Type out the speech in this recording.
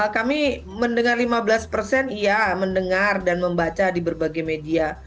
kami mendengar lima belas persen iya mendengar dan membaca di berbagai media